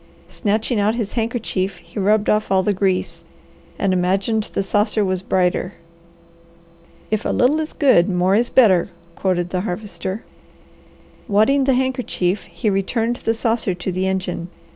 Snatching out his handkerchief he rubbed off all the grease, and imagined the saucer was brighter. "If 'a little is good, more is better,'" quoted the Harvester. Wadding the handkerchief he returned the saucer to the engine.